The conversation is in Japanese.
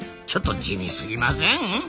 ちょっと地味すぎません？